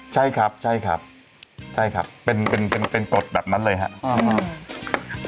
ใช่ครับใช่ครับใช่ครับเป็นเป็นกฎแบบนั้นเลยครับ